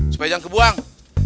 supaya jangan kebuang